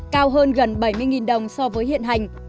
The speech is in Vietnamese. cao hơn gần bảy mươi đồng so với hiện hành